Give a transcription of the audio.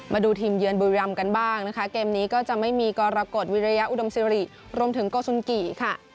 มาดูทีมเยือนบุรีรำกันบ้างนะคะเกมนี้ก็จะไม่มีกรกฎวิริยะอุดมสิริรวมถึงโกสุนกิค่ะ